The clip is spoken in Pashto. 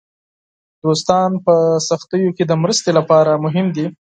دوستان په سختیو کې د مرستې لپاره مهم دي.